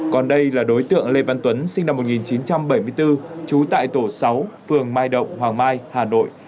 còn đây là đối tượng lê văn tuấn sinh năm một nghìn chín trăm bảy mươi bốn trú tại tổ sáu phường mai động hoàng mai hà nội